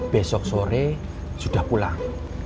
besok sore sudah pulang